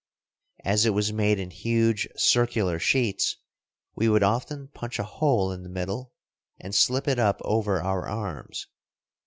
As it was made in huge circular sheets, we would often punch a hole in the middle, and slip it up over our arms.